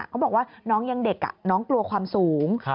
เขาบอกว่าน้องยังเด็กน้องกลัวความสูง